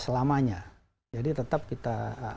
selamanya jadi tetap kita